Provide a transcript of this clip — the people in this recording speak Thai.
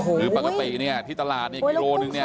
คือปกติเนี่ยที่ตลาดเนี่ยกิโลนึงเนี่ย